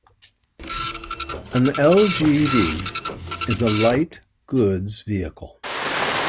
An L-G-V is a light goods vehicle.